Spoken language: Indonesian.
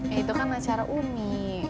ya itu kan acara umi